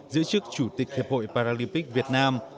giữ chức chủ tịch hiệp hội paralympic việt nam